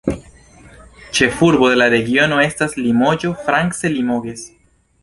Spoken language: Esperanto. Ĉefurbo de la regiono estas Limoĝo, france "Limoges".